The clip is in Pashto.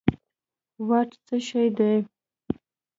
واټ څه شی دي